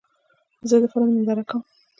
زه د فلم ننداره کوم.